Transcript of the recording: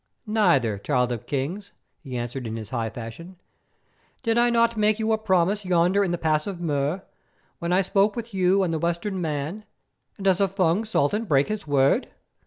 "Neither, Child of Kings," he answered in his high fashion. "Did I not make you a promise yonder in the Pass of Mur, when I spoke with you and the Western men, and does a Fung Sultan break his word?